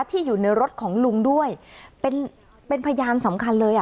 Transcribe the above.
ที่อยู่ในรถของลุงด้วยเป็นเป็นพยานสำคัญเลยอ่ะ